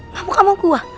ngamuk sama gue